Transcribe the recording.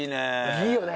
いいよね。